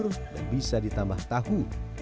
dan bisa ditambah tahu